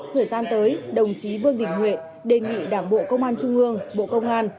thời gian tới đồng chí vương đình huệ đề nghị đảng bộ công an trung ương bộ công an